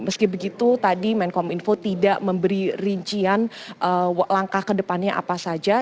meski begitu tadi menkom info tidak memberi rincian langkah kedepannya apa saja